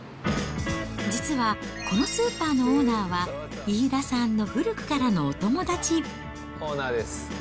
実は、このスーパーのオーナーは、飯田さんの古くからのお友オーナーです。